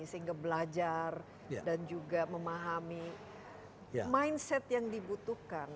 sehingga belajar dan juga memahami mindset yang dibutuhkan